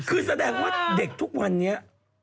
คือแสดงว่าเด็กทุกวันนี้